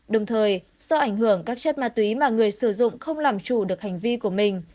đồng thời do ảnh hưởng các chất ma túy mà người sử dụng không làm chủ được hành vi của mình